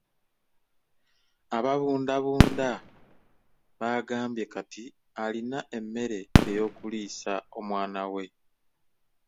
Ababundabunda baagambye kati alina emmere ey'okuliisa omwana we.